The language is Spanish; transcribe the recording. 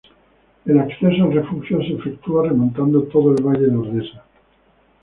El acceso al refugio se efectúa remontando todo el valle de Ordesa.